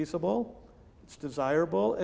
itu mampu itu diinginkan